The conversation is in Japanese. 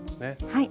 はい。